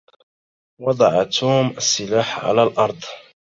وضع توم السلاح على الأرض.